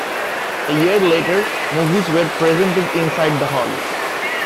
A year later, movies were presented inside the hall.